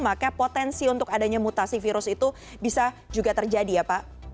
maka potensi untuk adanya mutasi virus itu bisa juga terjadi ya pak